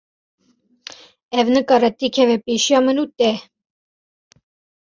Ev nikare têkeve pêşiya min û te.